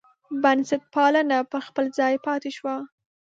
بنسټپالنه پر خپل ځای پاتې شوه.